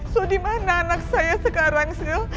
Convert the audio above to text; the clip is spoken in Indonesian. so dimana anak saya sekarang so